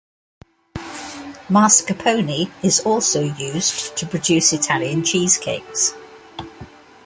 Mascarpone is also used to produce Italian cheesecakes.